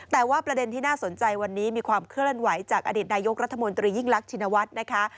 แต่ว่าประเด็นที่น่าสนใจวันนี้มีความเคลื่อนไหวจากอดีตนายกรัฐมนตรียิ่งรักชินวัฒน์นะคะ